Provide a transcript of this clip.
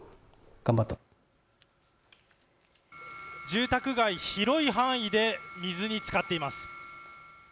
住宅街、広い範囲で水につかっています。